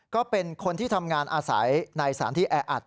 ก็เป็นคนที่ทำงานอาศัยในสถานที่แออัด